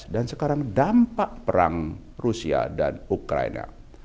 dan sekarang dampak perang rusia dan ukraina